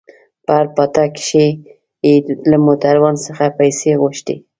په هر پاټک کښې يې له موټروان څخه پيسې غوښتې.